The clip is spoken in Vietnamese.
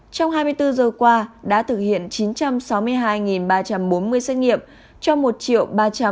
trong hai mươi bốn giờ qua đã thực hiện chín trăm sáu mươi hai ba trăm bốn mươi xét nghiệm cho một ba trăm linh sáu tám trăm chín mươi hai